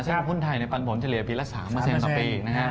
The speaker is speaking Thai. ซึ่งผู้ในหุ้นไทยเนี่ยปันผลเฉลี่ยปีละ๓ต่อปี